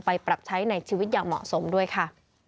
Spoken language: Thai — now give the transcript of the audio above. ปรับใช้ในชีวิตอย่างเหมาะสมด้วยค่ะ